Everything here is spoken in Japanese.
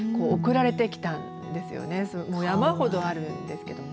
山ほどあるんですけども。